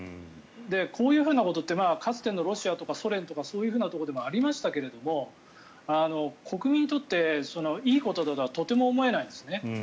こういうことってかつてのロシアとかソ連とかそういうところでもありましたけど国民にとっていいことだとはとても思えないですね。